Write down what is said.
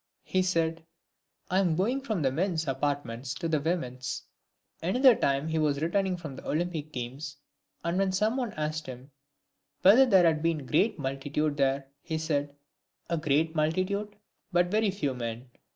he said, " I am going from the men's apartments to the women's." Another time he was returning from the Olympic games, and when some one asked him whether there had been a great multitude there, he said, "A great multitude, but very few men."